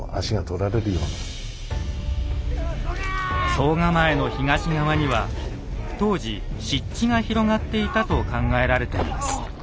総構の東側には当時湿地が広がっていたと考えられています。